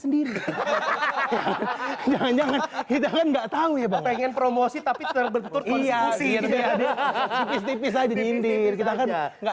sendiri hahaha jangan jangan kita kan nggak tahu ya bang